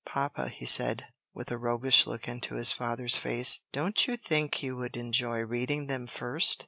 "Papa," he said, with a roguish look into his father's face, "don't you think you would enjoy reading them first?"